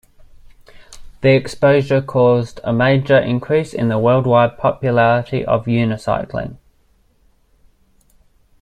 This exposure caused a major increase in the worldwide popularity of unicycling.